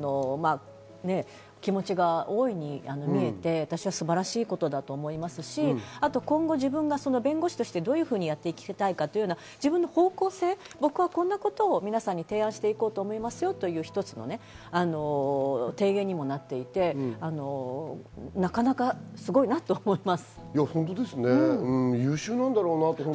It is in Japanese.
次は１番を取ろうというような気持ちが大いに見れて素晴らしいことだと思いますし、今後、自分が弁護士としてどういうふうにやってきたいかというような自分の方向性、こんなことを皆さんに提案して、こういうことだ思いますよという提言にもなっていて、なかなかすごいなと思います。